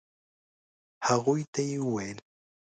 هغوی ته يې وويل.